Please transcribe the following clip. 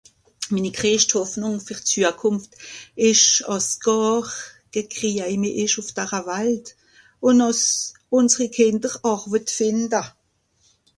mìnni greijscht Hòffnùng ver d'Zuakùnft esch àss gàr keh kreije meh ùff dera Walt ùn àss ùnseri Kìnder àrwet fìnda